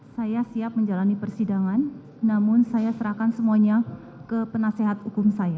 saya siap menjalani persidangan namun saya serahkan semuanya ke penasehat hukum saya